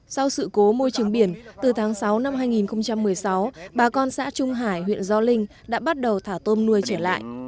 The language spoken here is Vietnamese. sau sự cố môi trường biển từ tháng sáu năm hai nghìn một mươi sáu bà con xã trung hải huyện gio linh đã bắt đầu thả tôm nuôi trở lại